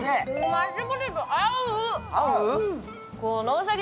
マッシュポテト合う。